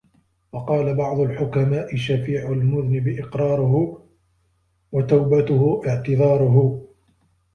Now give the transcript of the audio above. وَقَالَ بَعْضُ الْحُكَمَاءِ شَفِيعُ الْمُذْنِبِ إقْرَارُهُ ، وَتَوْبَتُهُ اعْتِذَارُهُ